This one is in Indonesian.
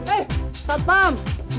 eh tak paham